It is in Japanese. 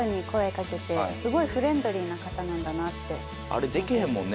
あれできへんもんね